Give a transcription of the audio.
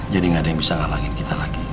jadi gak ada yang bisa ngalahin kita lagi